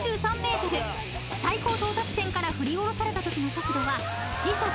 ［最高到達点から振り下ろされたときの］